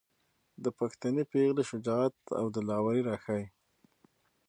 د پښتنې پېغلې شجاعت او دلاوري راښايي.